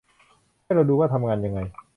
ให้เราดูว่าทำงานยังไง